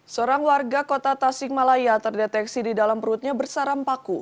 seorang warga kota tasikmalaya terdeteksi di dalam perutnya bersaram paku